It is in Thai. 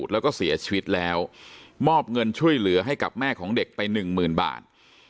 แล้วก็เสียชีวิตแล้วมอบเงินช่วยเหลือให้กับแม่ของเด็กไปหนึ่งหมื่นบาท